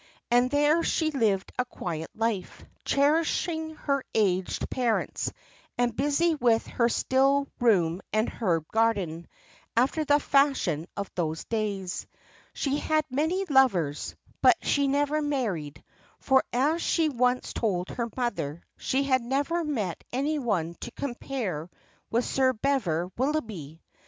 And there she lived a quiet life, cherishing her aged parents, and busy with her still room and herb garden, after the fashion of those days. She had many lovers, but she never married; for, as she once told her mother, she had never met any one to compare with Sir Bever Willoughby.